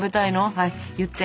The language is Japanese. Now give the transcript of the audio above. はい言って。